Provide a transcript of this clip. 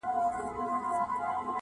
دا نظم وساته موسم به د غوټیو راځي٫